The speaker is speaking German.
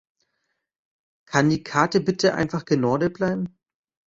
Kann die Karte bitte einfach genordet bleiben?